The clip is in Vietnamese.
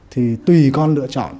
thì tùy con lựa chọn